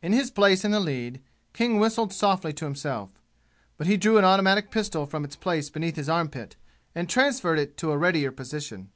In his place in the lead, King whistled softly to himself; but he drew an automatic pistol from its place beneath his armpit and transferred it to a readier position.